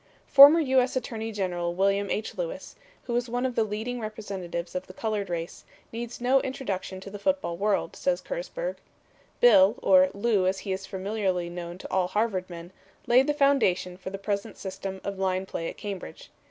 Former U. S. Attorney General William H. Lewis, who is one of the leading representatives of the colored race, needs no introduction to the football world, says Kersburg. 'Bill,' or 'Lew,' as he is familiarly known to all Harvard men, laid the foundation for the present system of line play at Cambridge.